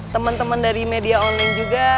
temen temen dari media online juga